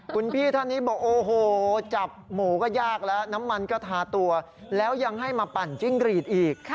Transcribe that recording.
คุณพี่ท่านนี้บอกโอ้โหจับหมูก็ยากแล้วน้ำมันก็ทาตัวแล้วยังให้มาปั่นจิ้งรีดอีก